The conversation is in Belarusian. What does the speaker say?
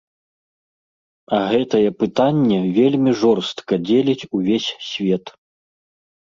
А гэтае пытанне вельмі жорстка дзеліць увесь свет.